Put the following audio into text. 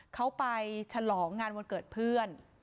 เขาไปฉลองงานวันเกิดเพื่อน